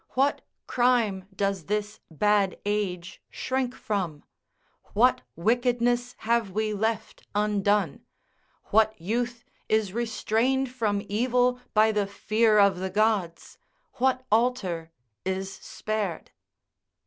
What crime does this bad age shrink from? What wickedness have we left undone? What youth is restrained from evil by the fear of the gods? What altar is spared?"